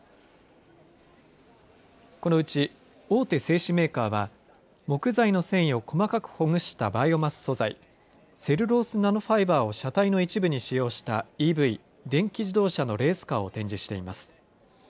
このうち大手製紙メーカーは木材の繊維を細かくほぐしたバイオマス素材、セルロースナノファイバーを車体の一部に使用したＥＶ・電気自動車のレースカーを展示しています。